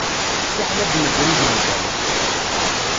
Fiḥel ad d-negri di nndama.